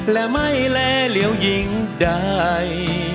และไม่แลเหลี่ยวยิงใด